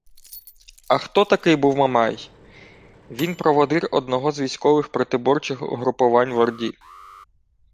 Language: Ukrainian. А хто такий був Мамай? Він – проводир одного з військових протиборчих угруповань в Орді